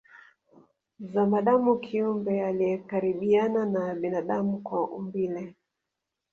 Zamadamu kiumbe aliyekaribiana na binadamu kwa umbile